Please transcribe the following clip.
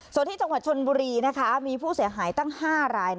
ส่วนที่จังหวัดชนบุรีมีผู้เสียหายตั้ง๕ราย